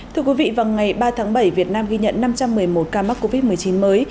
thưa quý vị vào ngày ba tháng bảy việt nam ghi nhận năm trăm một mươi một ca mắc covid một mươi chín mới